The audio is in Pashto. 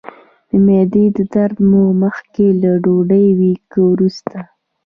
د معدې درد مو مخکې له ډوډۍ وي که وروسته؟